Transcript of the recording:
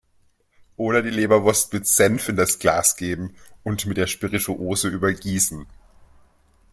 Oder die Leberwurst mit Senf in das Glas geben und mit der Spirituose übergießen.